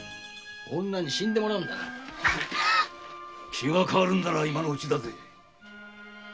気が変わるのなら今のうちだぞ。